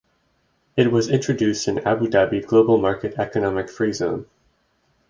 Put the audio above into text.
It was introduced in Abu Dhabi Global Market economic free zone.